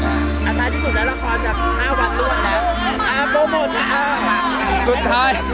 อันตรายที่สุดแล้วละครจะ๕วันรวดนะ